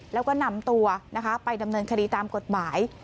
แล้วก็นำตัวนะคะไปดำเนินคดีตามกฎหมาย